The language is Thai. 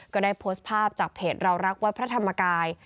ก็ได้โพสต์ภาพจากเพจเรารักวัดพระธรรมกาย